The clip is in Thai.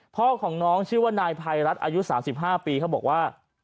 พ่อของน้องชื่อว่านายภัยรัฐอายุ๓๕ปีเขาบอกว่า